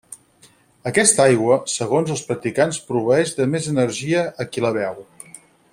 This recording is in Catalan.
Aquesta aigua, segons els practicants proveeix de més energia a qui la beu.